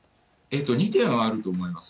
２点あると思います。